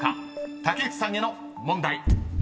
竹内さんへの問題］